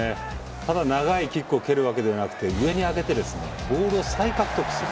ただ長いキックを蹴るわけではなくて上に上げてボールを再獲得する。